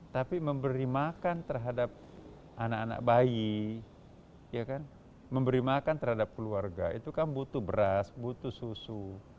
tapi memberi makan terhadap anak anak bayi memberi makan terhadap keluarga itu kan butuh beras butuh susu